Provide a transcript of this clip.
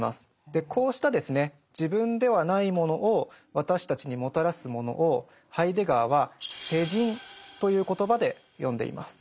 でこうしたですね自分ではないものを私たちにもたらすものをハイデガーは「世人」という言葉で呼んでいます。